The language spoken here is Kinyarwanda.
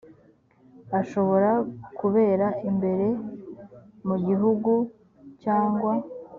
ashobora kubera imbere mu gihugu cyangwa